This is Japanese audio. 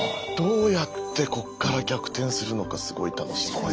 どうやってこっから逆転するのかすごい楽しみです。